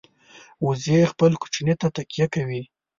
وزې خپل کوچني ته تکیه کوي